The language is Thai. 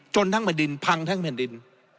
ทั้งแผ่นดินพังทั้งแผ่นดิน